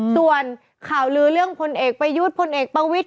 ส่วนข่าวลือเรื่องพลเอกประยุทธ์พลเอกประวิทย